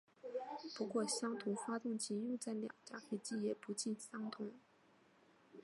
不过相同发动机用在两架飞机也不尽相通。